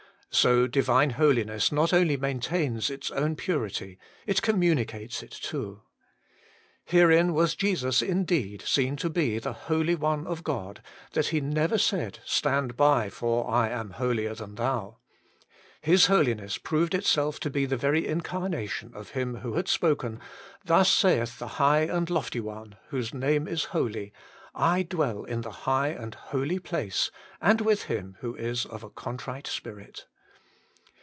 So Divine Holiness not only maintains its own purity ; it communicates it too. Herein was Jesus indeed seen to be the Holy One of God, that He never said, ' Stand by, for I am holier than thou.' His holiness proved itself to be the very incarnation of Him who had spoken, 'Thus saith the High and Lofty One, whose Name is Holy : I dwell in the High and Holy place, and with him who is of a contrite spirit.'